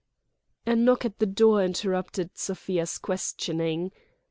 A knock at the door interrupted Sofia's questioning.